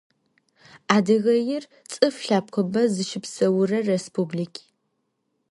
Adıgêir ts'ıf lhepkhıbe zışıpseure rêspublik.